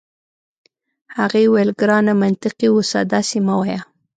هغې وویل: ګرانه منطقي اوسه، داسي مه وایه.